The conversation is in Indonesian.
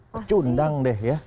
pecundang deh ya